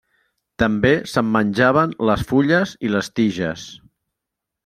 També se'n menjaven les fulles i les tiges.